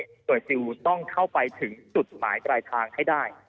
หน่วยซิลต้องเข้าไปถึงจุดหมายปลายทางให้ได้